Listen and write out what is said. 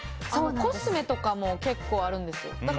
コスメとか結構あるんですよ。